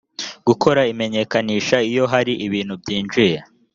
gukora imenyekanisha iyo hari ibintu byinjiye